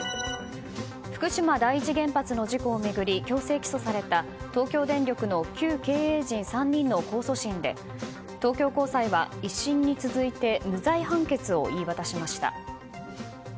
福島第一原発の事故を巡り強制起訴された東京電力の旧経営陣３人の控訴審で東京高裁は１審に続いて無罪判決を言い渡しました。